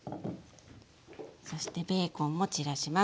そしてベーコンも散らします。